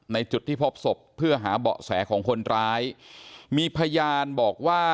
จุดที่พบศพเพื่อหาเบาะแสของคนร้ายมีพยานบอกว่า